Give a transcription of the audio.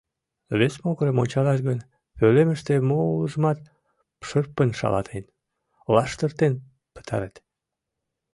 Вес могырым ончалаш гын, пӧлемыште мо улыжымат шырпын шалатен, лаштыртен пытарет.